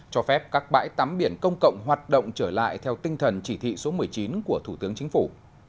cho phép các bãi tắm biển công cộng hoạt động trở lại theo tinh thần chỉ thị số một mươi chín của thủ tướng chính phủ